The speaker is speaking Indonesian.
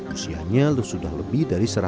usianya sudah lebih dari